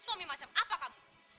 suami macam apa kamu